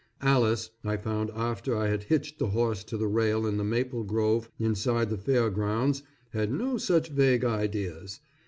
Alice, I found after I had hitched the horse to the rail in the maple grove inside the fair grounds, had no such vague ideas.